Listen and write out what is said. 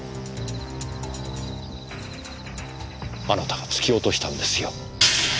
あなたが突き落としたんですよ。